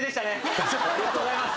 ありがとうございます。